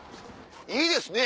いいですね